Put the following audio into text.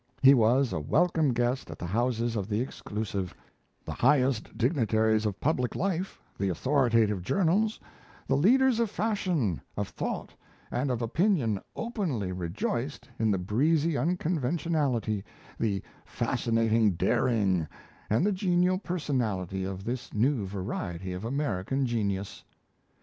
He was a welcome guest at the houses of the exclusive; the highest dignitaries of public life, the authoritative journals, the leaders of fashion, of thought, and of opinion openly rejoiced in the breezy unconventionality, the fascinating daring, and the genial personality of this new variety of American genius.